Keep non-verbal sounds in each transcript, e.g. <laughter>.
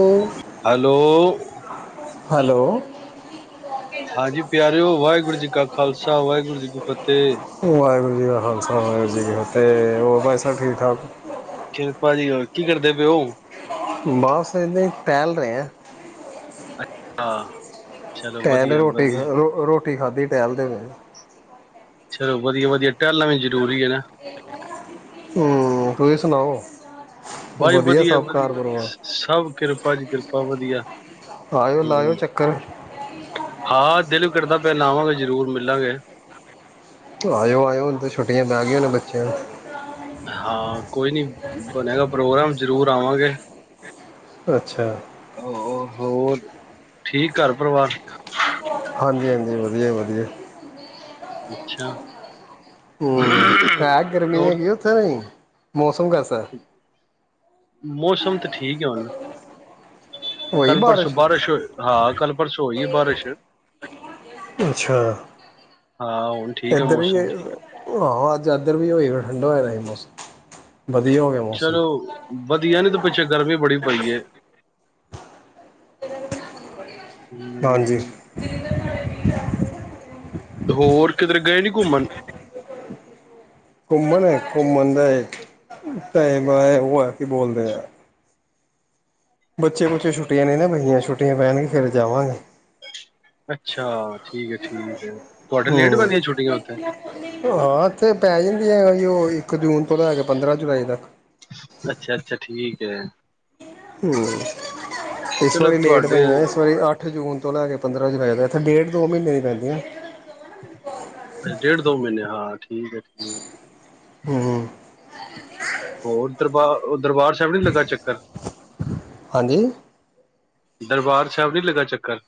ਉਹ hello, hello ਹਾਂਜੀ ਪਿਆਰਓ ਵਾਹਿਗੁਰੂ ਜੀ ਕਾ ਖਾਲਸਾ ਵਾਹਿਗੁਰੂ ਜੀ ਕੀ ਫਤਿਹ। ਤੇ ਹੋਰ ਭਾਈ ਸਭ ਠੀਕ ਠਾਕ। ਸ਼ਿਲਪਾ ਜੀ ਕੀ ਕਰਦੇ ਪਏ ਹੋ। ਬਸ ਇਦਾਂ ਹੀ ਟਹਿਲ ਰਹੇ ਆ। ਹਾਂ। ਚਲੋ ਕੈ ਨੇ ਵਧੀਆ ਰੋਟੀ ਵਧੀਆ ਰ ਰੋਟੀ ਖਾਧੀ ਟਹਿਲ ਦੇ ਪਏ। ਚਲੋ ਵਧੀਆ-ਵਧੀਆ ਟਹਿਲਣਾ ਵੀ ਜ਼ਰੂਰੀ ਐ ਨਾ। ਹੂੰ, ਤੁਸੀਂ ਸੁਣਾਓ। ਬਸ ਜੀ ਵਧੀਆ ਸਭ ਘਰ ਵਧੀਆ ਪਰਿਵਾਰ ਸਭ ਕਿਰਪਾ ਜੀ। ਕਿਰਪਾ ਵਧੀਆ। ਆਇਓ ਲਾਇਓ ਹਮ ਚੱਕਰ। ਹਾਂ ਦਿਲ ਕਰਦਾ ਪਿਆ ਲਾਵਾਂਗੇ ਜਰੂਰ ਮਿਲਾਂਗੇ। ਆਇਓ ਆਇਓ ਹੁਣ ਤੇ ਛੁੱਟੀਆਂ ਪੈ ਗਈਆਂ ਨੇ ਬੱਚਿਆਂ ਨੂੰ ਹਾਂ, ਕੋਈ ਨੀ ਬਣੇਗਾ ਪ੍ਰੋਗਰਾਮ ਜਰੂਰ ਆਵਾਂਗੇ। ਅੱਛਾ। ਹੋਰ ਠੀਕ ਘਰ ਪਰਿਵਾਰ। ਹਾਂਜ-ਹਾਂਜੀ, ਵਧੀਆ-ਵਧੀਆ। ਅੱਛਾ। ਹੂੰ ਹੈ ਗਰਮੀ ਹੋਰ ਹੈਗੀ ਓਥੇ ਨਹੀ ਮੌਸ ਮੋਸਮ ਕੈਸਾ ਹੈ? ਮੌਸਮ ਤਾਠੀਕ ਏ ਹੁਣ। ਕੱਲ ਪਰਸੋਂ ਬਾਰਿਸ਼ ਹੋ ਹਾਂ ਕੱਲ ਪਰਸੋਂ ਹੋਈਏ ਬਾਰਿਸ਼ ਅੱਛਾ। ਅੱਛਾ, ਹਾਂ, ਹੁਣ ਠੀਕ ਹੈ ਇੱਧਰ ਵੀ ਮੌਸਮ। ਆਹੋ ਅੱਜ ਇੱਧਰ ਵੀ ਹੋਈ ਠੰਡਾ ਹੋਏ ਮੌਸਮ। ਵਧੀਆ ਹੋ ਗਿਆ ਮੌਸਮ। ਚਲੋ ਵਧੀਆ ਨੀ ਤੇ ਪਿੱਛੇ ਗਰਮੀ ਬੜੀ ਪਈ ਏ। ਹਾਂਜੀ। ਹੂੰ, ਹੋਰ ਕਿਧਰ ਗਏ ਨੀ ਘੁੰਮਣ? ਘੁੰਮਣ ਘੁੰਮਣ ਦਾ ਉਹ ਆ ਕੀ ਬੋਲਦੇ ਆ ਬੱਚੇ ਬੱਚੇ ਛੁੱਟੀਆਂ ਨਹੀਂ ਨਾ ਪਈਆਂ ਛੁੱਟੀਆਂ ਪੈਣਗੇ ਫੇਿਰ ਜਾਵਾਂਗੇ। ਅੱਛਾ ਠੀਕ ਹੈ-ਠੀਕ ਹੈ। ਤੁਹਾਡੇ ਲੇਟ ਹੂੰ ਪੈਂਦੀਆਂ ਛੁੱਟੀਆਂ ਉੱਥੇ? ਹਾਂ ਇਥੇ ਪੈ ਜਾਂਦੀ ਆ ਉਹ। ਇੱਕ ਜੂਨ ਤੋਂ ਲ਼ੈ ਕੇ ਪੰਦਰਾਂ ਜੁਲਾਈ ਤੱਕ ਅੱਛਾ-ਅੱਛਾ ਠੀਕ ਹੈ। ਹਮ ਇਸ ਚਲੋ ਵਾਰੀ ਲੇਟ ਤੁਹਾਡੇ ਪਈਆਂ ਇਸ ਵਾਰੀ ਅੱਠ ਜੂਨ ਤੋਂ ਲੈ ਕੇ ਪੰਦਰਾਂ ਹਜ਼ਾਰ ਆ ਜਾਂਦਾ ਇੱਥੇ ਡੇਢ ਦੋ ਮਹੀਨੇ ਦੀ ਪੈਂਦੀ ਆ ਹ ਅੱ ਡੇਢ ਦੋ ਮਹੀਨੇ ਹਾਂ ਠੀਕ ਹੈ ਠੀਕ ਹਮ ਹਮ ਹੋਰ ਦਰਬਾਰ ਦਰਬਾਰ ਸਾਹਿਬ ਨੀ ਲੱਗਾ ਚੱਕਰ ਹਾਂਜੀ ਦਰਬਾਰ ਸਾਹਿਬ ਨੀ ਲੱਗਾ ਚੱਕਰ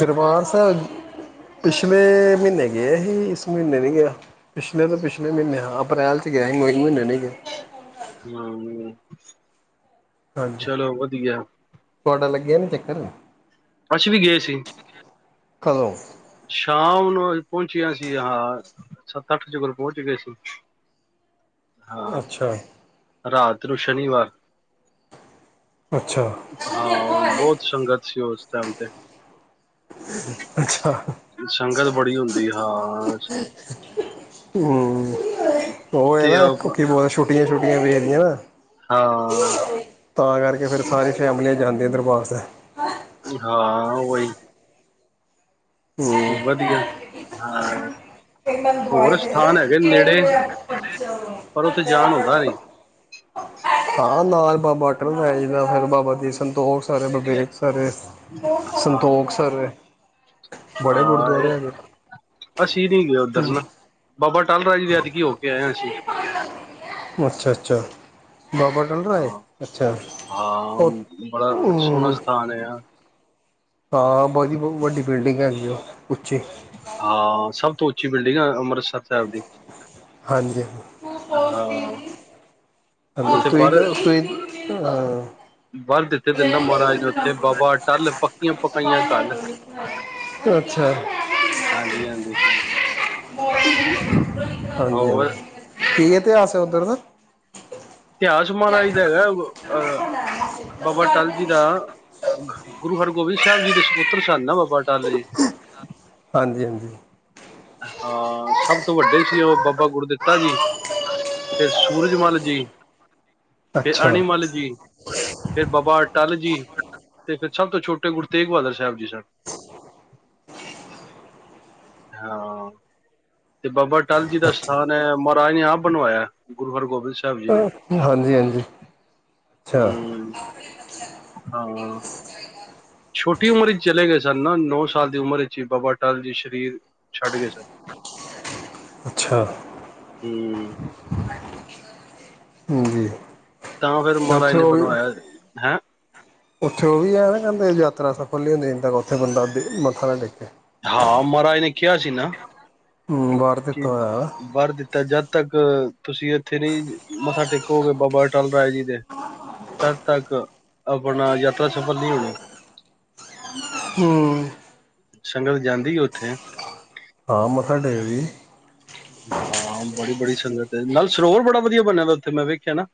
ਦਰਬਾਰ ਸਾਹਿਬ ਪਿਛਲੇ ਮਹੀਨੇ ਗਏ ਸੀ ਇਸ ਮਹੀਨੇ ਨਹੀਂ ਗਿਆ ਪਿਛਲੇ ਤਾਂ ਪਿਛਲੇ ਮਹੀਨੇ ਹਾਂ ਅ੍ਰੈਲ ' ਗਿਆ ਸੀ ਮੇ ਮਹੀਨੇ ਨਹੀਂ ਗਿਆ ਹਮ ਅ ਹਾਂਜੀ ਤੁਹਾਡਾ ਲੱਗਿਆ ਨੀ ਚੱਕਰ ਅੱਸੀ ਵੀ ਗਏ ਸੀ ਕਦੋਂ ਸ਼ਾਮ ਨੂੰ ਅੱ ਪਹੁੰਚੀਆਂ ਸੀ ਹਾਂ ਸੱਤ ਅੱਠ ਚ ਕੋਲ ਪਹੁੰਚ ਗਏ ਸੀ ਹਾਂ, ਅੱਛਾ ਰਾਤ ਨੂੰੂ ਸ਼ਨੀਵਾਰ ਅੱਛਾ ਹਾਂ ਬਹੁਤ ਸੰਗਤ ਸੀ ਉਸ ਸ਼ ਤੇ ਅੱਛਾ ਸੰਗਤ ਬੜੀ ਹੁੰਦੀ ਹਾਂ ਹਮ ਉਹ ਹੈ ਤੇ ਨਾ ਅ- ਬਹੁ ਛੁੱਟੀਆਂ ਛੱੀਆਂ ਪਜਦੀਆਂ ਨਾ ਹਾਂ ਤਾਂ ਕਰਕੇ ਫਿਰ ਸਾਰੀ ਫੈਮਲੀੀਆਂ ਜਾਂਦੀ ਇਧਰ ਵਾਸਤੇ ਹਾਂ ਉਹਹੀ ਹਮ ਵਧੀਆ ਹ ਹੋਰ ਸਥਾਨ ਹੈਗੇ ਨੇੜੇ ਪਰ ਉੱਥੇ ਜਾਣ ਹੁੰਦਾ ਨੀ ਹਾਂ ਨਾ ਬਾਬਾ ਅਟਲੈ ਜ ਦਾ ਫਿਰ ਬਾਬਾ ਦੀ ਸੰ ਸੰਤੋਖ ਸਰ ਵਿਵੇਕ ਸਰ ਹਾਂ ਸੰਤੋਖ ਸਰ ਬੜੇ ਹਾਂ, ਗੁਰਦੁਆਰੇ ਇਹ ਹੈਗੇ ਅਸੀਂ ਨੀ ਗਏ ਉੱਧਰ ਨਾ ਬਾਬਾ ਟਾਲ ਰਾਜ ਵੀ ਐਤਕੀ ਹੋ ਕੇ ਆਏ ਹਾਂ ਅਸੀਂ ਅੱਛਾ ਅੱਛਾ। ਬਾਬਾ ਅਟਲ ਰਾਏ ਹਾਂ ਅੱਛਾ ਹਾਂ, ਉਹ ਬੜਾ ਸੋਹਣਾ ਹਮ ਸਥਾਨ ਹੈ ਆ। ਹਾਂ ਬੜੀ ਵੱਡੀ ਬਿਲਡਿੰਗ ਹੈਗੀ ਉਹ ਉੱਚੀ ਹਾਂ, ਸਭ ਤੋਂ ਉੱ ਚੀ ਬਿਲਡਿੰਗ ਅਮ ਸਰ ਦੀ ਹਾਂਜੀ ਹਾਂ ਤੁਸੀਂ ਉੱਥੇ ਵਰ ਨਾ ਤੁਸੀਂ <unintelligible> ਮਹਾਰਾਜ ਨੇ ਉੱਥੇ ਬਾਬਾ ਅਟੱਲ ਪੱਕੀਆਂ ਪਕਾਈਆਂ ਕੱਲ ਅੱਛਾ ਹਾਂਜੀ ਹਾਂਜੀ ਹਾਂ। <unintelligible> ਹਾਂਜੀ, ਹਾਂਜੀ ਹੋਰ ਠੀਕ ਹੈ। ਕੀ ਇਤਹਾਸ ਐ ਉੱਧਰ ਦਾ? ਇਤਿਹਾਸ ਮਹਾਰਾਜ ਦਾ ਹੈਗਾ ਅਹ ਬਾਬਾ ਟੱਲ ਜੀ ਦਾ ਗੁਰੂ ਹਰਗੋਬਿੰਦ ਸਾਹਿਬ ਜੀ ਦੇ ਸਪੁੱਤਰ ਸਨ ਨਾ ਬਾਬਾ ਅਟਲ ਜੀ। ਹਾਂਜੀ ਹਾਂਜੀ, ਹਾਂ, ਸਭ ਤੋਂ ਵੱਡੇ ਸੀ ਉਹ ਬਾਬਾ ਗੁਰਦਿੱਤਾ ਜੀ ਫਿਰ ਸੂਰਜਮੱਲ ਜੀ। ਫੇਰ ਅੱਛਾ ਅਣੀਮਲ ਜੀ ਫੇਰ ਬਾਬਾ ਅਟੱਲ ਜੀ। ਜੀ ਤੇ ਫਿਰ ਸਭ ਤੋਂ ਛੋਟੇ ਗੁਰੂ ਤੇਗ ਬਹਾਦਰ ਸਾਹਿਬ ਜੀ ਸਨ। ਹਾਂ, ਤੇ ਬਾਬਾ ਅਟੱਲ ਜੀ ਦਾ ਸਥਾਨ ਐ ਰਾਜ ਨੇ ਆਪ ਬਣਵਾਇਆ ਗੁਰੂ ਹਰਗੋਬਿੰਦ ਸਾਹਿਬ ਜੀ ਨੇ ਹਾਂਜੀ ਹਾਂਜੀ ਅੱਛਾ ਹੂੰ ਹਾਂ। ਛੋਟੀ ਉਮਰ ਵਿੱਚ ਚਲੇ ਗਏ ਸਨ ਨਾ ਨੌ ਸਾਲ ਦੀ ਉਮਰ ਵਿੱਚ ਹੀ ਬਾਬਾ ਅਟੱਲ ਜੀ ਸਰੀਰ ਛੱਡ ਗਏ ਸਨ। ਅੱਛਾ, ਹੂੰ ਜੀ। ਤਾਂ ਫਿਰ ਤੇ ਮਹਾਰਾਜ ਉੱਥੇ ਨੇ ਉਹ ਵੀ ਬਣਵਾਇਆ ਹੈ। ਉੱਥੇ ਉਹ ਵੀ ਹੈ ਨਾ ਕਹਿੰਦੇ ਯਾਤਰਾ ਸਫਲ ਨੀ ਹੁੰਦੀ ਜਦੋਂ ਤੱਕ ਉੱਥੇ ਬੰਦਾ ਮੱਥਾ ਨਾ ਟੇਕੇ। ਹਾਂ, ਮਹਾਰਾਜ ਨੇ ਕਿਹਾ ਸੀ ਨਾ। ਹੂੰ ਬਾਹਰ ਕਿ ਦਿੱਤਾ ਹੋਇਆ ਵਰ ਦਿੱਤਾ ਜਦ ਤੱਕ ਤੁਸੀਂ ਇੱਥੇ ਨੀ ਮੱਥਾ ਟੇਕੋਗੇ ਬਾਬਾ ਅਟੱਲ ਰਾਏ ਜੀ ਦੇ ਤਦ ਤੱਕ ਆਪਣਾ ਯਾਤਰਾ ਸਫਲ ਨਹੀਂ ਹੋਣੀ। ਹੂੰ। ਸੰਗਤ ਜਾਂਦੀ ਆ ਉੱਥੇ ਹਾਂ, ਮੱਥਾ ਟੇਕਦੀ। ਹਾਂ, ਬੜੀ ਬੜੀ ਸੰਗਤ ਹੈ ਨਾਲ ਸਰੋਵਰ ਬੜਾ ਵਧੀਆ ਬਣਿਆ ਦਾ ਉੱਥੇ ਮੈਂ ਵੇਖਿਆ ਨਾ।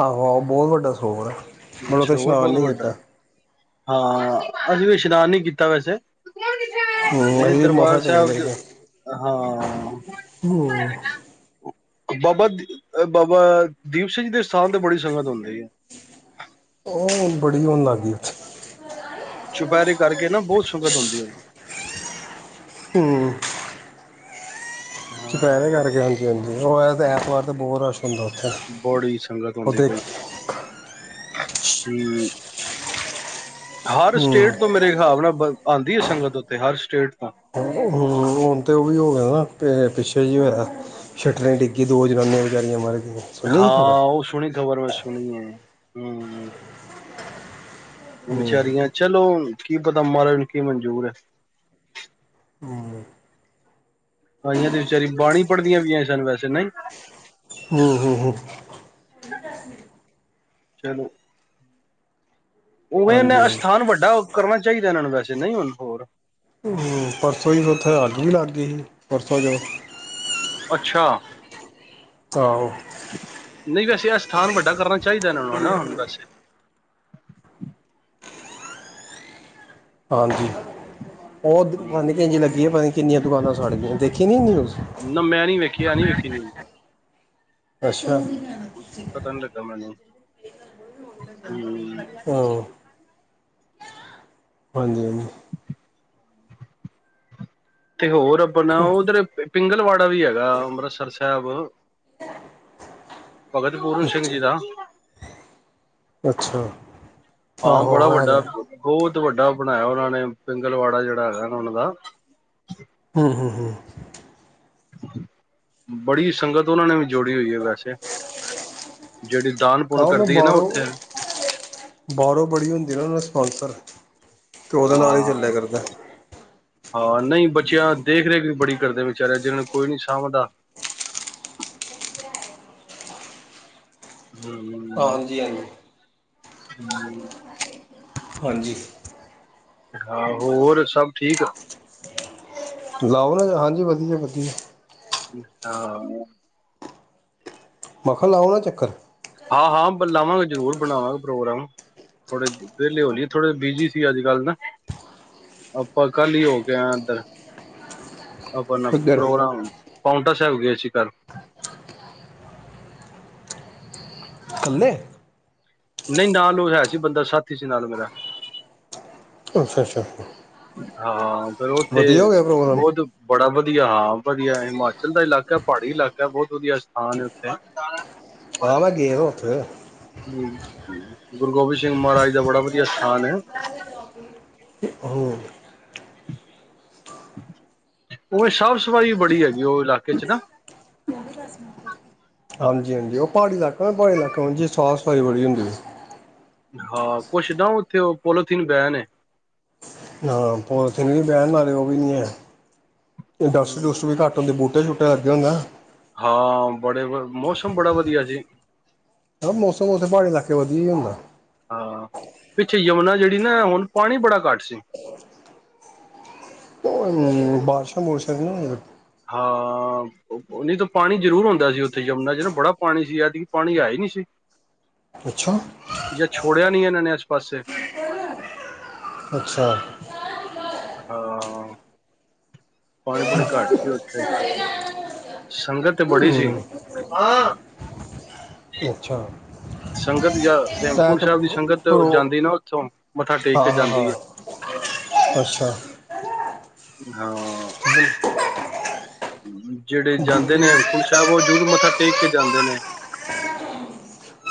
ਆਹੋ ਆਹੋ ਬਹੁਤ ਵੱਡਾ ਸਰੋਵਰ ਆ। ਅੱਛਾ ਹੋਰ ਬਹੁਤ ਵੱਡਾ ਹਾਂ। ਅਸੀਂ ਕੋਈ ਇਸ਼ਨਾਨ ਨੀ ਕੀਤਾ ਵੈਸੇ ਹੂੰ ਅਸੀਂ <unintelligible> ਵੀ ਦਰਬਾਰ ਮੱਥਾ ਟੇਕ ਸਾਹਿਬ ਚ ਲਏ ਸੀ ਹਾਂ। ਹੂੰ। ਬਾਬਾ ਬਾਬਾ ਦੀਪ ਸਿੰਘ ਜੀ ਦੇ ਸਥਾਨ ਤੇ ਬੜੀ ਸੰਗਤ ਹੁੰਦੀ ਐ। ਉਹ ਹੁਣ ਬੜੀ ਹੋਣ ਲਾਗੀ ਉੱਥੇ। ਚੁਪਿਹਰੇ ਕਰਕੇ ਨਾ ਬਹੁਤ ਸੰਗਤ ਹੁੰਦੀ ਹੁਣ। ਹੂੰ। ਚੁਪਹਿਰੇ ਹਾਂ ਕਰਕੇ ਹਾਂਜੀ ਹਾਂਜੀ ਉਹ ਤਾਂ ਐਤਵਾਰ ਤਾਂ ਬਹੁਤ ਰਸ਼ ਹੁੰਦਾ ਉੱਥੇ ਬੜੀ ਸੰਗਤ ਉਹ ਹੁੰਦੀ ਦੇਖ ਪਈ ਕੇ ਹੂੰ। ਹਰ ਹੂੰ ਸਟੇਟ ਤੋਂ ਮੇਰੇ ਹਿਸਾਬ ਨਾਲ ਆਂਦੀ ਆ ਸੰਗਤ ਉੱਥਤੇ ਹਰ ਸਟੇਟ ਤੋਂ। ਹੁਣ ਤਾਂ ਉਹ ਵੀ ਹੋ ਗਿਆ ਨਾ ਪਿੱਛੇ ਜੇ ਹੋਇਆ ਸ਼ੱਟਰਾਂ ਡਿੱਗਗੀ ਦੋ ਜਨਾਨੀਆਂ ਵਿਚਾਰੀਆਂ ਮਰ ਗਈਆਂ ਸੁਣੀ ਸੀ ਖ਼ਬਰ ਹਾਂ, ਉਹ ਸੁਣੀ ਖਬਰ ਮੈਂ ਸੁਣੀ ਐ ਹਾਂ। ਹੂੰ ਬਚਾਰੀਆਂ ਚਲੋ। ਕੀ ਪਤਾ ਮਹਾਰਾਜ ਨੂੰ ਕੀ ਮਨਜੂਰ ਐ। ਆਈਆਂ ਤੇ ਵਿਚਾਰੀ ਬਾਣੀ ਪੜ੍ਹਦੀ ਆਂ ਪਈਆਂ ਸਨ ਵੈਸੇ ਨਹੀਂ। ਹੂੰ ਹੂੰ ਚੱਲੋ। ਉਵੇ ਹਾਂਜੀ ਅਸਥਾਨ ਵੱਡਾ ਕਰਨਾ ਚਾਹੀਦਾ ਇਹਨਾਂ ਨੂੰ ਵੈਸੇ ਨਹੀਂ ਹੁਣ ਹੋਰ। ਹਾਂਜੀ ਪਰਸੋਂ ਹੀ ਉੱਥੇ ਅੱਗ ਵੀ ਲਾਗੀ ਸੀ। ਪਰਸੋ ਜੇ ਅੱਛਾ। ਆਹੋ। ਨਹੀਂ ਵੈਸੇ ਐ ਸਥਾਨ ਵੱਡਾ ਕਰਨਾ ਚਾਹੀਦਾ ਇਹਨਾਂ ਨੂੰ ਵੈਸੇ <unintelligible> ਹਾਂਜੀ। ਉਹ ਪਤਾ ਨੀ ਹੂੰ, ਕਿੰਝ ਲੱਗੀ ਆ ਪਤਾ ਨੀ ਕਿੰਨੀਆਂ ਦੁਕਾਨਾਂ ਸਾੜ ਗਈਆਂ ਦੇਖੀ ਨੀ ਨਿਊਜ਼। ਨਾ ਮੈਂ ਨੀ ਵੇਖੀ ਆ ਨੀ ਵੇਖੀ ਨਿਊਜ਼ ਅੱਛਾ। ਪਤਾ ਨੀ ਲੱਗਾ <unintelligible> ਹਾਂ। ਹਾਂਜੀ ਹਾਂਜੀ। ਤੇ ਹੋਰ ਆਪਣਾ ਓਦਰ ਪਿੰਡ ਪਿੰਗਲਵਾੜਾ ਵੀ ਹੈਗਾ ਅੰਮ੍ਰਿਤਸਰ ਸਾਹਿਬ ਭਗਤ ਪੂਰਨ ਸਿੰਘ ਜੀ ਦਾ ਅੱਛਾ ਹਾਂ ਆਹੋ ਬੜਾ ਆਹੋ ਵੱਡਾ, ਹੈਗਾ ਬਹੁਤ ਬਹੁਤ ਵੱਡਾ ਬਣਾਇਆ ਉਹਨਾਂ ਨੇ ਪਿੰਗਲਵਾੜਾ ਜਿਹੜਾ ਹੈਗਾ ਨਾ ਉਹਨਾਂ ਦਾ ਹਮ-ਹਮ-ਹਮ ਬੜੀ ਸੰਗਤ ਉਹਨਾਂ ਨੇ ਵੀ ਜੋੜੀ ਹੋਈ ਹੈ ਵੈਸੇ ਜਿਹੜੀ ਦਾਨ ਪੁੰਨ ਕਾਨੋ ਕਰਦੀ ਹੈ ਨਾ ਉੱਥੇ ਬਾਹਰੋਂ-ਬਾਹਰੋਂ ਬੜੀ ਹੁੰਦੀ ਨਾ ਓਨ੍ਹਾਂ ਦੀ ਅੰਤਰ ਹੈ ਤੇਓਦੇ ਨਾਲ ਹੀ ਚੱਲਿਆ ਹਾਂ ਕਰਦਾ ਹਾਂ ਨਹੀਂ ਬੱਚਿਆਂ ਦੇਖ ਰੇਖ ਵੀ ਬੜੀ ਕਰਦੇ ਵਿਚਾਰਿਆਂ ਜਿਹਨਾਂ ਨੂੰ ਕੋਈ ਨੀ ਸਾਂਭਦਾ ਹੂੰ ਹਾਂਜੀ-ਹਾਂਜੀ <inaudible> ਹਾਂਜੀ ਹਾਂ ਹੋਰ ਸਭ ਠੀਕ ਲਾਓ ਨਾ ਹਾਂਜੀ ਵਧੀਆ-ਵਧੀਆ ਠੀਕ-ਠਾਕ ਮੈ ਕਿਹਾ ਲਾਓ ਨਾ ਚੱਕਰ ਆਹ ਹਾਂ ਲਾਵਾਂਗੇ ਜਰੂਰ ਬਣਾਵਾਂਗੇ ਪ੍ਰੋਗਰਾਮ ਥੋੜੇ ਵਿਹਲੇ ਹੋਲੀਏ ਥੋੜੇ ਬਿਜੀੀ ਸੀ ਅੱਜ ਕੱਲ ਨਾ ਆਪਾਂ ਕੱਲ ਹੀ ਹੋ ਕੇ ਆ ਇਧਰ ਅਪਨਪ ਇੱਧਰ ਪ੍ਰੋਗਰਾਮ ਪੋਂਟ ਟਾ ਸਾਹਿਬ ਗਏ ਸੀ ਕਲ ਕੱਲੇ ਨਹੀਂ ਨਾਲ ਉਹ ਹੈ ਸੀ ਬੰਦਾ ਸਾਥੀ ਸੀ ਨਾਲ ਮੇਰਾ ਅੱਛਾ-ਅੱਛਾ ਹਾਂ ਫੇਿਰ ਉਹ ਉੱਥੇ ਪ੍ਰੋਗਰਾਮ ਬਹੁਤ ਬੜਾ ਵਧ ਵਧੀਆ ਹਾਂ ਵਧੀਆ ਹਿਮਾਚਲ ਦਾ ਇਲਾਕਾ ਪਹਾੜੀ ਇਲਾਕਾ ਬਹੁਤ ਵਧੀਆ ਸਥਾਨ ਹੈ ਉੱਥੇ ਆਹ ਮੈਂ ਗਇਆ ਉੱਥੇ ਗੁਰੂ ਗੋਬਿੰਦ ਸਿੰਘ ਮਹਾਰਾਜ ਦਾ ਬੜਾ ਵਧੀਆ ਸਥਾਨ ਹੈ ਹੂੰ ਉਵੇ ਸਾਫ਼ ਸਫ਼ਾਈ ਬੜੀ ਹੈਗੀ ਉਹ ਇਲਾਕੇ 'ਚ ਨਾ ਹਾਂਜੀ-ਹਾਂਜੀ ਉਹ ਪਹਾੜੀ ਇਲਾਕਾ- ਪਹਾੜੀ ਇਲਾਕਾ ਓਂਜੀ ਸਾਾਹ ਸਫਾਈ ਬੜੀ ਹੁੰਦੀ ਹੈ ਹਾਂ ਕੁਛ ਨਾ ਉੱਥੇ ਉਹ ਪੋਲੀਥੀਨ ਬੈਨ‌ ਏ ਹਾਂ ਪੋਲੀਥੀਨ ਵੀ ਬੈਣ ਨਾਲੇ ਉਹ ਵੀ ਨਹੀਂ ਹੈ ਇੰਡਸਟਰੀ ਇੰਡਸਟਰੀ ਵਿ ਘੱਟ ਹੁੰਦੀ ਬੂਟ ਝੂਟੇ ਲੱਗੇ ਹੁੰਦਾ ਹਾਂ ਬੜੇ ਮੌਸਮ ਬੜਾ ਵਧੀਆ ਜੀ ਮੌਸਮ ਉਥੇ ਪਹਾੜੀ ਇਲਾਕੇ ਵਧੀਆ ਹੀ ਹੁੰਦਾ ਹਾਂ ਪਿੱਛੇ ਯਮੁਨਾ ਜਿਹੜੀ ਨਾ ਹੁਣ ਪਾਣੀ ਬੜਾ ਘੱਟ ਸੀ ਬਾਰਸ਼ਾ ਬੂਰਸ਼ਅ ਨੀ ਹੋਈਯਾਂ ਹਾਂ ਨਹੀਂ ਤਾਂ ਪਾਣੀ ਜ਼ਰੂਰ ਹੁੰਂਦਾ ਸੀ ਉੱਥੇ ਜੰਮਨਾ ਜਿ ਨਾ ਬੜਾ ਪਾਣੀ ਸੀ ਏਦਕੀ ਪਾਣੀ ਹੈ ਹੀ ਨਹੀਂ ਸੀ ਅੱਛਾ ਜਾਂ ਛੋੜਿਆ ਨੀ ਇਹਨਾਂ ਨੇ ਅਜ ਪਾਸੇ ਅੱਛਾ। ਹਾਂ। ਪਾਣੀ ਪੂਣੀ ਘੱਟ ਸੀ ਓਹਥੇ ਸੰਗਤ ਤੇ ਬੜੀ ਸੀ ਹੂੰ ਹਾਂ, ਅੱਛਾ ਸੰਗਤ ਜਾਂ ਹੈਮਕੁੰਡ ਟੈਕ ਸਾਹਿਬ ਦੀ ਸੰਗਤ ਪ੍ਰੋ ਜਾਂਦੀ ਨਾ ਉੱਥੋਂ ਮੱਥਾ ਟੇਕ ਕੇ ਹਾਂ ਹਾਂ ਹਾਂ ਜਾਂਦੀ ਐ। ਅੱਛਾ ਹਾਂ, ਜੀ। ਜਿਹੜੇ ਜਾਂਦੇ ਨੇ, ਹੇਮਕੂਟ ਸਾਹਿਬ ਉਹ ਜ਼ਰੂਰ ਮੱਥਾ ਟੇਕ ਕੇ ਜਾਂਦੇ ਨੇ।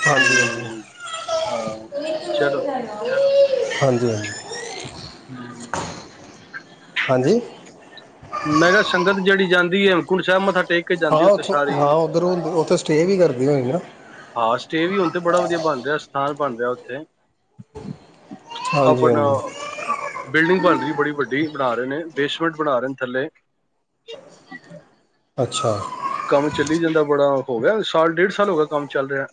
ਹਾਂਜੀ-ਹਾਂਜੀ। ਹਮ ਹਾਂ ਚਲੋ। ਹਾਂਜੀ-ਹਾਂਜੀ। ਹੂੰ, ਹਾਂਜੀ। ਮੈਂ ਕਿਹਾ ਸੰਗਤ ਜਿਹੜੀ ਜਾਂਦੀ, ਹੇਮਕੂਟ ਸਾਹਿਬ ਮੱਥਾ ਟੇਕ ਕੇ ਹਾਂ, ਜਾਂਦੀ ਉੱਥੇ ਉੱਥੋਂ, ਸਾਰੀ ਹਾਂ ਉੱਧਰੋਂ ਉੱਥੇ ਸਟੇਅ ਵੀ ਕਰਦੀ ਹੋਈ ਨਾ। ਸਟੇਅ ਵੀ ਹੁਣ, ਤੇ ਬੜਾ ਵਧੀਆ ਬਣ ਰਿਹਾ ਸਥਾਨ ਬਣ ਰਿਹਾ ਉੱਥੇ। ਹਾਂਜੀ ਆਪਣਾ ਹਾਂਜੀ ਬਿਲਡਿੰਗ ਬੜੀ ਵੱਡੀ ਬਣਾ ਰਹੇ ਨੇ, ਬੇਸ਼ਮਿਟ ਬਣਾ ਰਹੇ ਨੇ। ਥੱਲੇ। ਅੱਛਾ। ਕੰਮ ਚੱਲੀ ਜਾਂਦਾ ਬੜਾ, ਹੋ ਗਿਆ ਸਾਲ ਡੇਢ ਸਾਲ ਹੋ ਗਿਆ ਕੰਮ ਚੱਲ ਰਿਹਾ।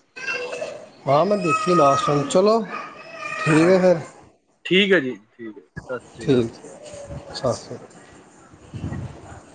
ਹਾਂ, ਮੈਂ ਦੇਖੀ ਨਾ ਸੁਣ ਚਲੋ। ਠੀਕ ਐ, ਹਾਂਜੀ ਫਿਰ। ਠੀਕ ਹੈ ਜੀ, ਠੀਕ ਹੈ। ਸਤਿ ਸ਼੍ਰੀ ਅਕਾਲ। ਠੀਕ <unintelligible>